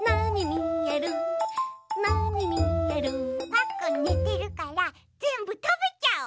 パックンねてるからぜんぶたべちゃおう！